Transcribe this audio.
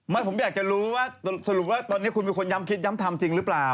ไม่ผมอยากจะรู้ว่าสรุปว่าตอนนี้คุณเป็นคนย้ำคิดย้ำทำจริงหรือเปล่า